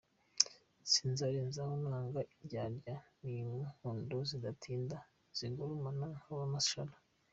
Sinzarenzaho nanga indyarya n’inkundo zidatinda zigurumana nk’amashara.